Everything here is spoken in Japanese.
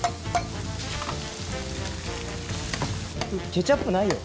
ケチャップないよ。